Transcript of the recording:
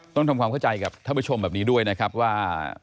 ต้องทำความเข้าใจกับท่านผู้ชมแบบนี้ด้วยนะครับว่า